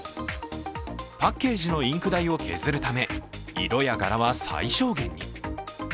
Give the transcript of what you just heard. パッケージのインク代を削るため、色や柄は最小限に。